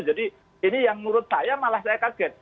ini yang menurut saya malah saya kaget